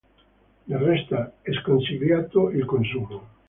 Ne resta sconsigliato il consumo.